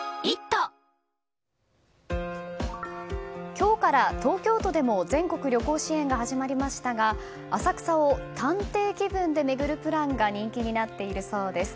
今日から東京都でも全国旅行支援が始まりましたが浅草を探偵気分で巡るプランが人気になっているそうです。